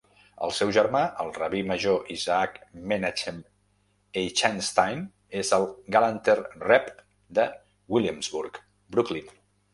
El seu germà, el rabí major Isaac Menachem Eichenstein, és el "Galanter Rebbe" de Williamsburg, Brooklyn.